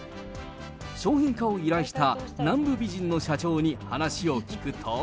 商品化を依頼した、南部美人の社長に話を聞くと。